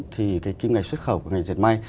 thì cái kinh ngạch xuất khẩu của ngành dệt may